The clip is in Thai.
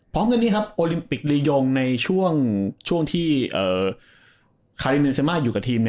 พร้อมกันนี้ครับโอลิมปิกลียงในช่วงที่ใครเมนเซมาอยู่กับทีม